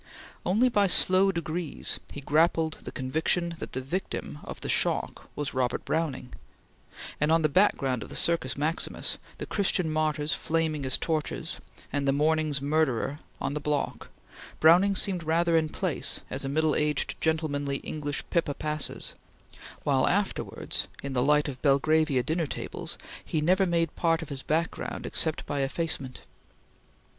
Only by slow degrees, he grappled the conviction that the victim of the shock was Robert Browning; and, on the background of the Circus Maximus, the Christian martyrs flaming as torches, and the morning's murderer on the block, Browning seemed rather in place, as a middle aged gentlemanly English Pippa Passes; while afterwards, in the light of Belgravia dinner tables, he never made part of his background except by effacement.